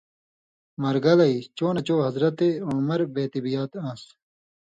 مرگلئ، چو نہ چو حضرتِ عمرؓ بے تِبیات آن٘س؛